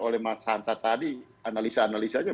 oleh mas hanta tadi analisa analisanya